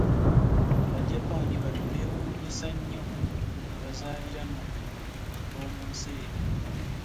Abajapani bano beewunyisa nnyo abazaaliranwa b'omu nsi eyo.